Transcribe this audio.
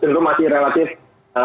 cenderung masih relatif ee